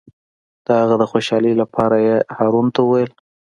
د هغه د خوشحالۍ لپاره یې هارون ته وویل.